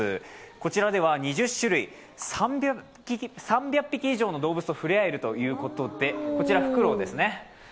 こちらでは２０種類、３００匹以上の動物とふれあえるということでこちら、ふくろうですね。